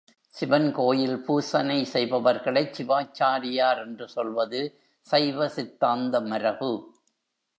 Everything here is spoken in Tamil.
சிவன் கோயில் பூசனை செய்பவர்களைச் சிவாச்சாரியார் என்று சொல்வது சைவ சித்தாந்த மரபு.